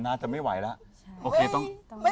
น่าจะไม่ไหวแล้วโอเคต้อง